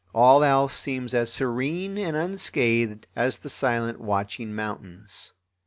All else seems as serene and unscathed as the silent watching mountains.